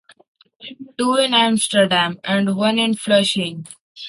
Two in Amsterdam and one in Flushing.